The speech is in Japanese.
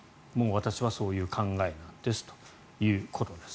私はそういう考えなんですということです。